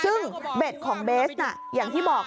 ซึ่งเบ็ดของเบสน่ะอย่างที่บอก